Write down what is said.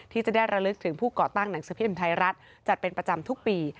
ที่จะได้ระลึกถึงผู้ก่อตั้งหนังสือพิมพ์ไทยรัฐจัดเป็นประจำทุกปี